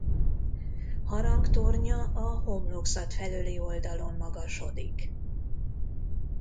Harangtornya a homlokzat felőli oldalon magasodik.